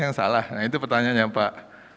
yang salah nah itu pertanyaannya pak